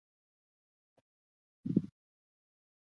ایا ستاسو تګلاره روښانه نه ده؟